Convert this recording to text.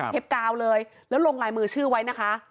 กาวเลยแล้วลงลายมือชื่อไว้นะคะ